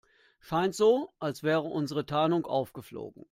Scheint so, als wäre unsere Tarnung aufgeflogen.